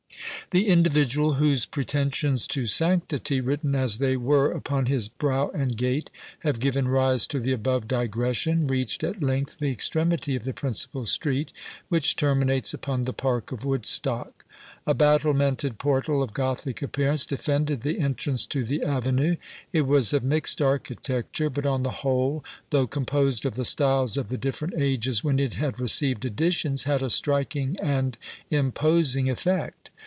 The individual, whose pretensions to sanctity, written as they were upon his brow and gait, have given rise to the above digression, reached at length the extremity of the principal street, which terminates upon the park of Woodstock. A battlemented portal of Gothic appearance defended the entrance to the avenue. It was of mixed architecture, but on the whole, though composed of the styles of the different ages when it had received additions, had a striking and imposing effect.